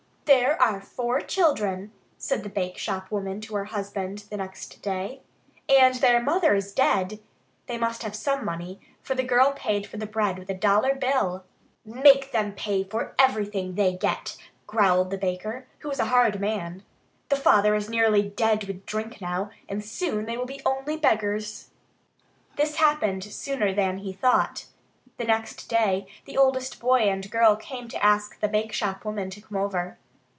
"There are four children," said the bakeshop woman to her husband the next day, "and their mother is dead. They must have some money, for the girl paid for the bread with a dollar bill." "Make them pay for everything they get," growled the baker, who was a hard man. "The father is nearly dead with drink now, and soon they will be only beggars." This happened sooner than he thought. The next day the oldest boy and girl came to ask the bakeshop woman to come over.